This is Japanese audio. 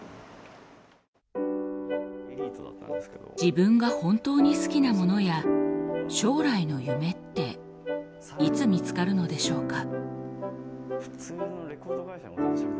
自分が本当に好きなものや将来の夢っていつ見つかるのでしょうか？